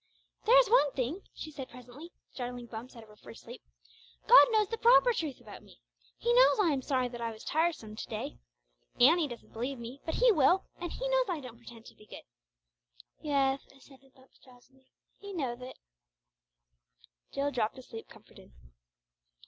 "There's one thing," she said presently, startling Bumps out of her first sleep; "God knows the proper truth about me. He knows I am sorry that I was tiresome to day! Annie doesn't believe me, but He will. And He knows I don't pretend to be good!" "Yeth," assented Bumps, drowsily; "He knowth it!" Jill dropped asleep comforted.